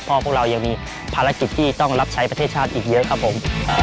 เพราะพวกเรายังมีภารกิจที่ต้องรับใช้ประเทศชาติอีกเยอะครับผม